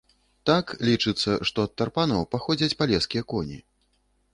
Так, лічыцца, што ад тарпанаў паходзяць палескія коні.